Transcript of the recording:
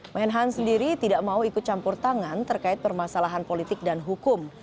menhan sendiri tidak mau ikut campur tangan terkait permasalahan politik dan hukum